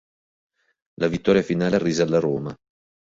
La vittoria finale arrise alla Roma.